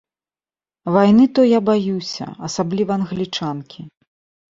Вайны то я баюся, асабліва англічанкі.